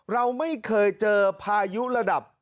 เราไม่เคยเจอพายุระดับ